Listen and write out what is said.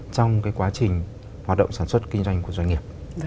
trong quá trình hoạt động sản xuất kinh doanh của doanh nghiệp